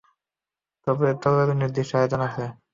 তবে তরলের নির্দিষ্ট আয়তন আছে।